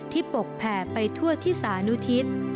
ปกแผ่ไปทั่วที่สานุทิศ